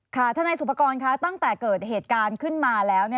ทนายสุปกรณ์คะตั้งแต่เกิดเหตุการณ์ขึ้นมาแล้ว